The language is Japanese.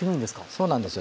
そうなんですよ。